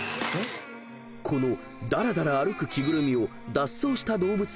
［このだらだら歩く着ぐるみを脱走した動物に見立て